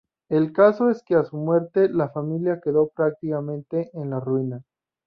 El caso es que a su muerte la familia quedó prácticamente en la ruina.